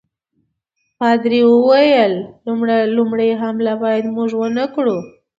پادري وویل لومړی حمله باید موږ ونه کړو.